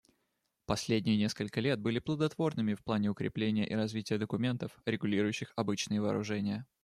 Последние несколько лет были плодотворными в плане укрепления и развития документов, регулирующих обычные вооружения.